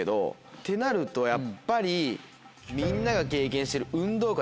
ってなるとやっぱりみんなが経験してる運動会。